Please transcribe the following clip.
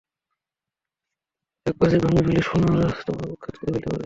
একবার চেক ভাঙিয়ে ফেললে, সোনা, ওরা তোমায় উৎখাত করে ফেলতে পারে!